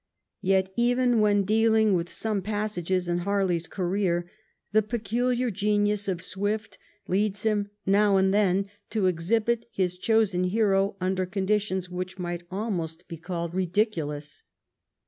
Yet, even when dealing with some passages in Bar ley's career, the peculiar genius of Swift leads him now and then to exhibit his chosen hero under conditions which might almost be called ridiculous.